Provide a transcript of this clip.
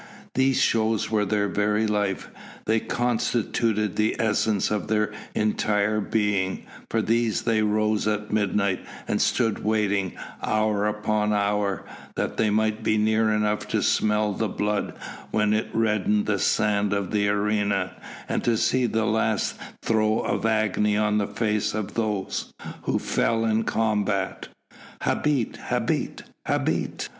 These shows were their very life; they constituted the essence of their entire being; for these they rose at midnight and stood waiting, hour upon hour, that they might be near enough to smell the blood when it reddened the sand of the arena, and to see the last throe of agony on the face of those who fell in combat. "Habet! Habet! Habet!"